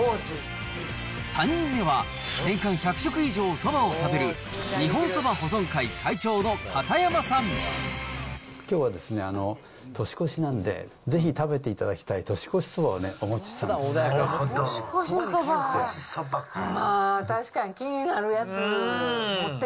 ３人目は年間１００食以上そばを食べる、きょうはですね、年越しなんでぜひ食べていただきたい年越しそばをお持ちしたんでなるほど。